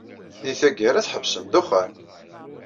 Deg tgara, tḥebsem ddexxan.